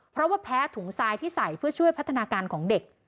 เพราะว่าแพ้ถุงทรายที่ใส่เพื่อช่วยพัฒนาการของเด็ก